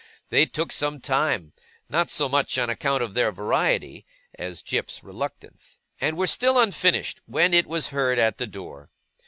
They took some time (not so much on account of their variety, as Jip's reluctance), and were still unfinished when it was heard at the door.